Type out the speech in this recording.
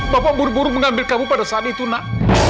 bapak buru buru mengambil kamu pada saat itu nak